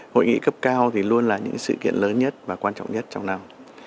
hội nghị cấp cao thì luôn là những sự kiện lớn nhất và quan trọng nhất trong năm